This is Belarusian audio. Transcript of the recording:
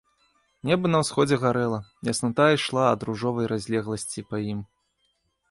Неба на ўсходзе гарэла, ясната ішла ад ружовай разлегласці па ім.